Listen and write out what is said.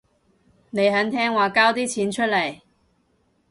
你肯聽話交啲錢出嚟